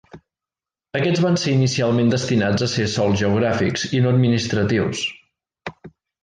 Aquests van ser inicialment destinats a ser sols geogràfics i no administratius.